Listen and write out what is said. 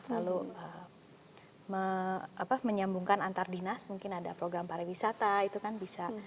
lalu menyambungkan antar dinas mungkin ada program pariwisata itu kan bisa